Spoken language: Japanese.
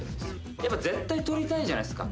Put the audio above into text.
やっぱ絶対撮りたいじゃないですか